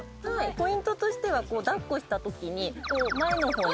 ポイントとしては抱っこしたときに前の方に。